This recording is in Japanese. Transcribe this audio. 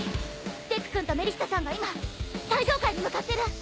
デク君とメリッサさんが今最上階に向かってる。